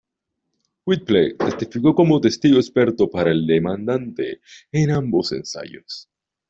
Whipple testificó como testigo experto para el demandante en ambos ensayos.